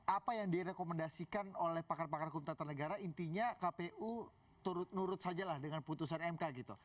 apa yang direkomendasikan oleh pakar pakar kpu intinya kpu turut nurut sajalah dengan putusan mk gitu